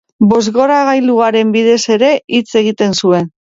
Bozgorailuaren bidez ere hitz egiten zuen.